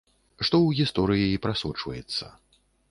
Што ў гісторыі і прасочваецца.